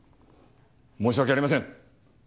申し訳ありません！